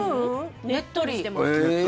ねっとりしてます。